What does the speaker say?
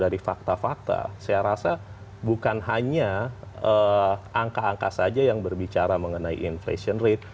dari fakta fakta saya rasa bukan hanya angka angka saja yang berbicara mengenai inflation rate